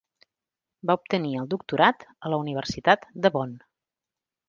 Va obtenir el doctorat a la Universitat de Bonn.